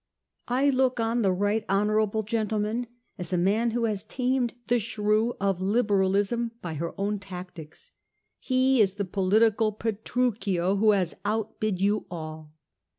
£ I look on the right honourable gentle man as a man who has tamed the shrew of Liberalism by her own tactics. He is the political Petruchio who has outbid you all.